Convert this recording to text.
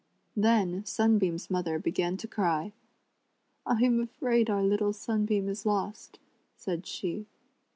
Then Sunbeam's mother began to cry. '• I am afraid our little Sunbeam is lost," said she.